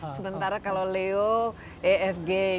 sementara kalau leo efg